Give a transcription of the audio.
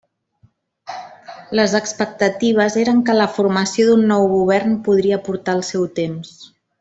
Les expectatives eren que la formació d'un nou govern podria portar el seu temps.